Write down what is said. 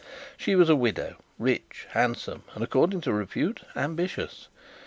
She was a widow, rich, handsome, and, according to repute, ambitious.